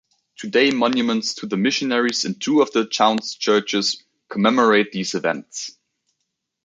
Today monuments to the missionaries in two of the town's churches commemorate these events.